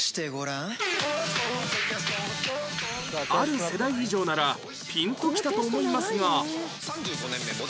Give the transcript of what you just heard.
ある世代以上ならピンときたと思いますが